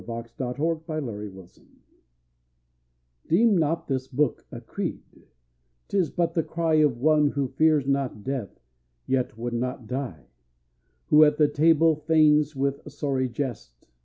ON THE FLY LEAF OF THE RUBAIYAT Deem not this book a creed, 't is but the cry Of one who fears not death, yet would not die; Who at the table feigns with sorry jest.